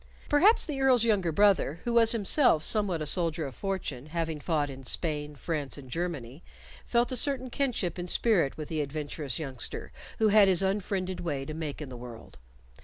Perhaps the Earl's younger brother who was himself somewhat a soldier of fortune, having fought in Spain, France, and Germany felt a certain kinship in spirit with the adventurous youngster who had his unfriended way to make in the world.